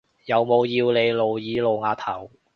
有冇要你露耳露額頭？